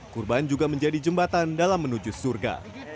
kurban juga menjadi jembatan dalam menuju surga